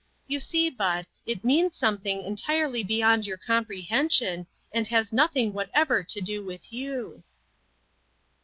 You see, Bud, it" means something entirely beyond your com prehension, and has nothing whatever to do with you."